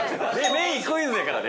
メイン、クイズやからね。